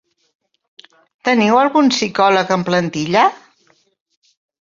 Teniu algun psicòleg en plantilla?